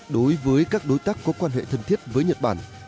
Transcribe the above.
đối với các đối tác có quan hệ thân thiết với nhật bản